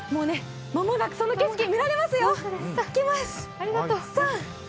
間もなくその景色見られますよ。